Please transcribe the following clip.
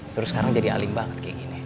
terus sekarang jadi alim banget kayak gini